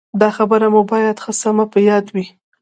دا خبره مو باید ښه سمه په یاد وي.